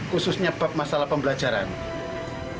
khususnya bab masalah pembelajaran